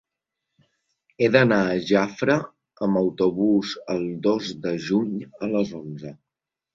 He d'anar a Jafre amb autobús el dos de juny a les onze.